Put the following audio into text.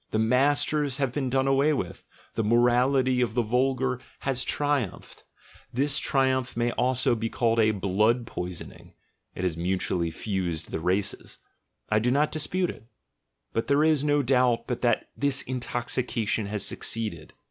The 'masters' have been done away with; the morality of the vulgar man has triumphed. This triumph may also be called a blood poisoning (it has mutually fused the races) — I do not dispute it; but there is no doubt but that this intoxication has succeeded.